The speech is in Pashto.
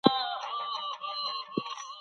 د دې هدف لپاره به هڅه کوو.